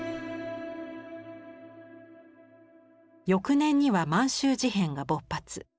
翌年には満州事変が勃発。